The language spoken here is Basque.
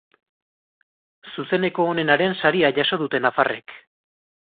Zuzeneko onenaren saria jaso dute nafarrek.